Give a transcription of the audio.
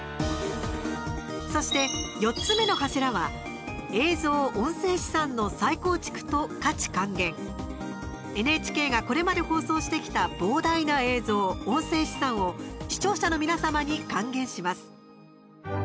そして、４つ目の柱はＮＨＫが、これまで放送してきた膨大な映像、音声資産を視聴者の皆様に還元します。